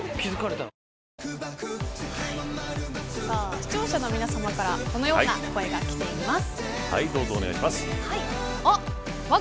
視聴者の皆さまからこのような声がきています。